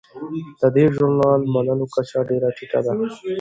د دې ژورنال د منلو کچه ډیره ټیټه ده.